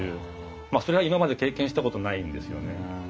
まあそれは今まで経験したことないんですよね。